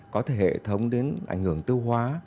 có thể hệ thống đến ảnh hưởng tiêu hóa